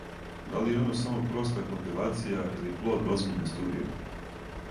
да ли је оно само проста компилација или плод озбиљније студије